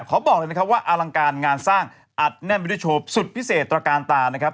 บอกเลยนะครับว่าอลังการงานสร้างอัดแน่นไปด้วยโชว์สุดพิเศษตระการตานะครับ